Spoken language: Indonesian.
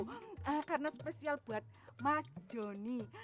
hmm karena spesial buat mas joni